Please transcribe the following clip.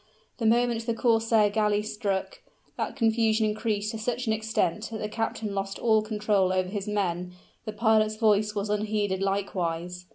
The moment the corsair galley struck, that confusion increased to such an extent that the captain lost all control over his men; the pilot's voice was unheeded likewise.